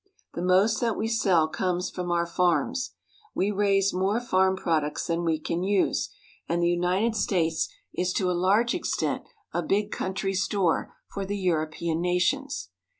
The most that we sell comes from our farms. We raise more farm products than we can use, and the United States is to a large extent a big country store for the European nations.